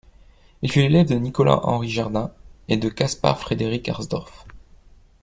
Il fut l'élève de Nicolas-Henri Jardin et de Caspar Frederik Harsdorff.